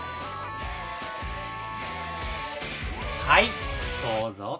はいどうぞ。